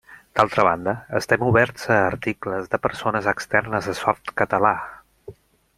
D'altra banda, estem oberts a articles de persones externes a Softcatalà.